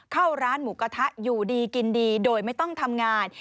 เข้าร้านหมูกระทะอยู่ดีกินดีโดยไม่ต้องทำงาน